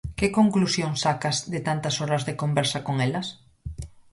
Que conclusións sacas de tantas horas de conversa con elas?